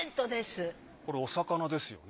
これお魚ですよね？